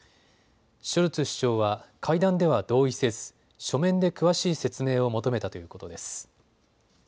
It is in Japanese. ショルツ首相は会談では同意せず書面で詳しい説明を求めたということです。